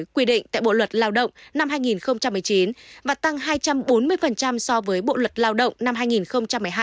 quy định tại bộ luật lao động năm hai nghìn một mươi chín và tăng hai trăm bốn mươi so với bộ luật lao động năm hai nghìn một mươi hai